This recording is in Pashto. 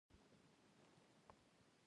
مزارشریف د افغانستان د اقلیم ځانګړتیا ده.